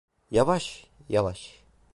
Yavaş, yavaş.